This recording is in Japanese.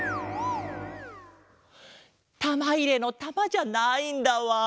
たまいれのたまじゃないんだわん。